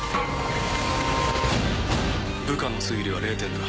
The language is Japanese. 「部下の推理は０点だ」